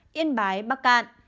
yên bái bắc cạn